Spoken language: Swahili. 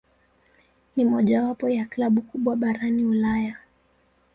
Ni mojawapo ya klabu kubwa barani Ulaya.